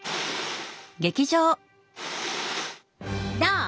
どう？